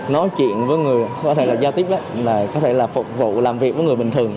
nói chuyện với người có thể là giao tiếp là có thể là phục vụ làm việc với người bình thường